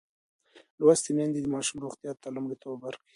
لوستې میندې د ماشوم روغتیا ته لومړیتوب ورکوي.